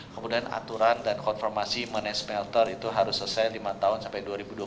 kemudian aturan dan konformasi mengenai smelter itu harus selesai lima tahun sampai dua ribu dua puluh